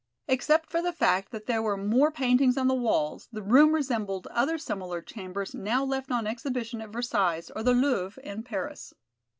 Except for the fact that there were more paintings on the walls, the room resembled other similar chambers now left on exhibition at Versailles or the Louvre in Paris.